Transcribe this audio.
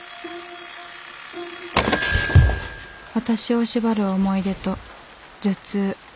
私を縛る思い出と頭痛。